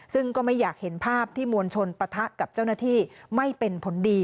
ซึ่งก็ไม่อยากเห็นภาพที่มวลชนปะทะกับเจ้าหน้าที่ไม่เป็นผลดี